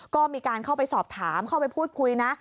ก็มีการเข้าไปสอบถามเข้าไปพูดคุยนะ